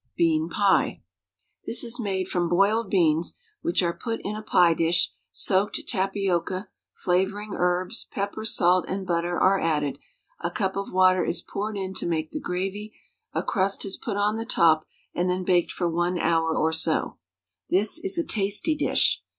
BEAN PIE. This is made from boiled beans, which are put in a pie dish, soaked tapioca, flavouring herbs, pepper, salt, and butter are added, a cup of water is poured in to make the gravy, a crust is put on the top, and then baked for 1 hour or so. This is a tasty dish.